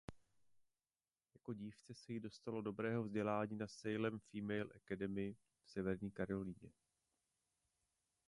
Jako dívce se jí dostalo dobrého vzdělání na "Salem Female Academy" v Severní Karolíně.